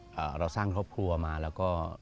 ดูแลกับทางครอบครัวอยู่แล้ว